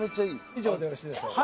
以上でよろしいでしょうか？